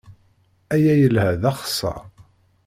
Aya yelha d axeṣṣar.